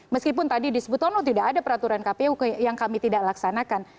meskipun tadi disebut oh no tidak ada peraturan kpu yang kami tidak laksanakan